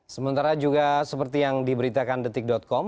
sementara juga seperti yang diberitakan detik com